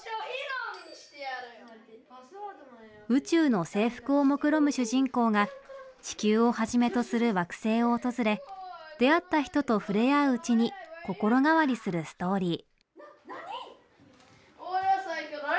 宇宙の征服をもくろむ主人公が地球をはじめとする惑星を訪れ出会った人とふれあううちに心変わりするストーリー。